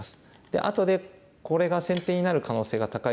あとでこれが先手になる可能性が高いですから。